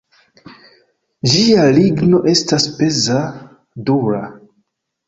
Ĝia ligno estas peza, dura.